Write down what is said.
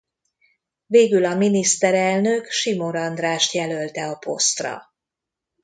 Végül a miniszterelnök Simor Andrást jelölte a posztra.